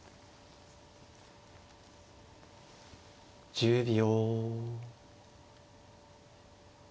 １０秒。